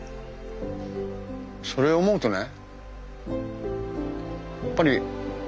それを思うとね